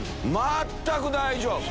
全く大丈夫。